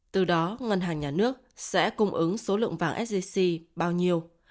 từ đó ngân hàng nhà nước sẽ cung ứng số lượng vàng sgc bao nhiêu